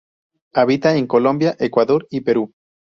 Habita en Colombia, Ecuador y Perú.